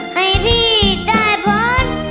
ให้พี่ได้พ้น